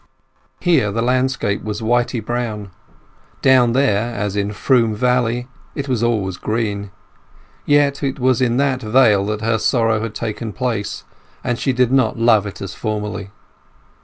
Here the landscape was whitey brown; down there, as in Froom Valley, it was always green. Yet it was in that vale that her sorrow had taken shape, and she did not love it as formerly.